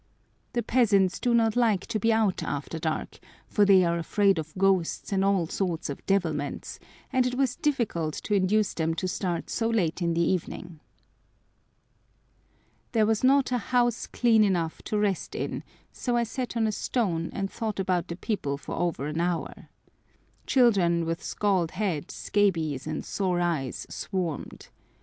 The peasants do not like to be out after dark, for they are afraid of ghosts and all sorts of devilments, and it was difficult to induce them to start so late in the evening. There was not a house clean enough to rest in, so I sat on a stone and thought about the people for over an hour. Children with scald head, scabies, and sore eyes swarmed.